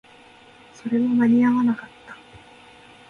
それも間に合わなかった